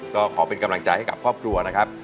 ก็ขอเป็นกำลังใจให้กับครอบครัวนะครับ